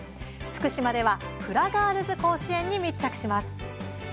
福島ではフラガールズ甲子園に密着します。